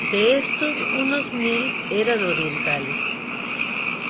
De estos unos mil eran orientales.